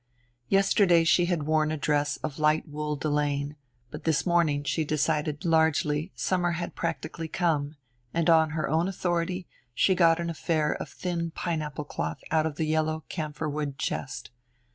Yesterday she had worn a dress of light wool delaine; but this morning, she decided largely, summer had practically come; and, on her own authority, she got an affair of thin pineapple cloth out of the yellow camphorwood chest.